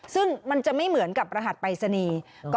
ซึ่งมันจะไม่เหมือนกับรหัสปรายศนีย์